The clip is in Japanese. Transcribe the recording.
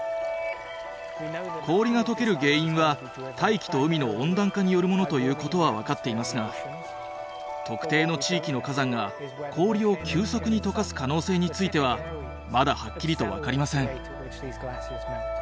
氷が解ける原因は大気と海の温暖化によるものということは分かっていますが特定の地域の火山が氷を急速に解かす可能性についてはまだはっきりと分かりません。